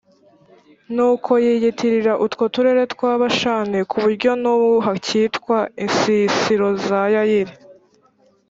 nuko yiyitirira utwo turere twa bashani, ku buryo n’ubu hakitwa «insisiro za yayiri».